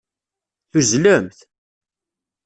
Tuzzlemt.